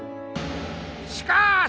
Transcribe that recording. しかし！